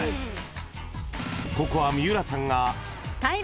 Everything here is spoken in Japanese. ［ここは三浦さんが］